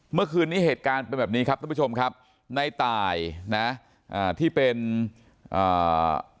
เมื่อคืนนี้เหตุการณ์เป็นแบบนี้ครับทุกผู้ชมครับในตายนะอ่าที่เป็นอ่า